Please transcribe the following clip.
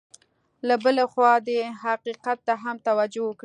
له بلې خوا دې حقیقت ته هم توجه وکړي.